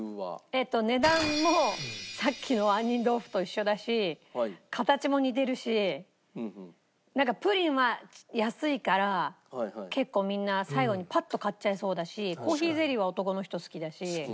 えっと値段もさっきの杏仁豆腐と一緒だし形も似てるしなんかプリンは安いから結構みんな最後にパッと買っちゃいそうだしコーヒーゼリーは男の人好きだし。